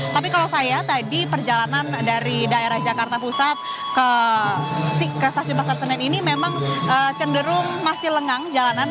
tapi kalau saya tadi perjalanan dari daerah jakarta pusat ke stasiun pasar senen ini memang cenderung masih lengang jalanan